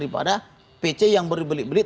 daripada pc yang berbelit belit